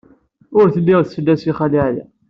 Ur telli tsell-as i Xali Ɛli.